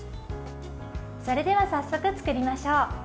それでは早速作りましょう。